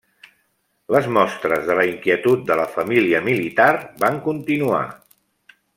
Les mostres de la inquietud de la família militar van continuar.